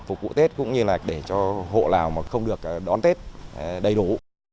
phục vụ tết cũng như là để cho hộ nào mà không được đón tết đầy đủ